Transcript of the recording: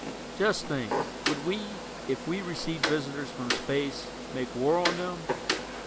Just think, would we, if we received visitors from space, make war on them?